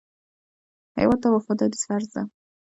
هېواد ته وفاداري فرض ده